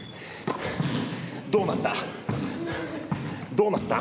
どうなった？